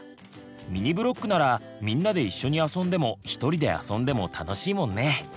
ミニブロックならみんなで一緒に遊んでも一人で遊んでも楽しいもんね。